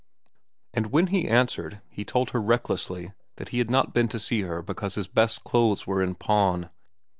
And when he answered, he told her recklessly that he had not been to see her because his best clothes were in pawn.